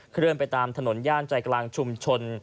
เลื่อนไปตามถนนย่านใจกลางชุมชน